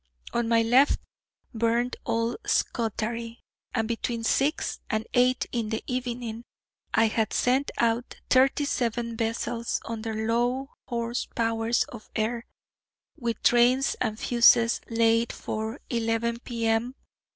On my left burned all Scutari; and between six and eight in the evening I had sent out thirty seven vessels under low horse powers of air, with trains and fuses laid for 11 P.M.